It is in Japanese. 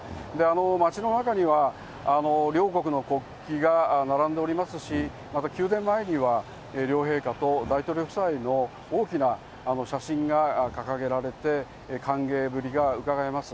街の中には、両国の国旗が並んでおりますし、また宮殿前には、両陛下と大統領夫妻の大きな写真が掲げられて、歓迎ぶりがうかがえます。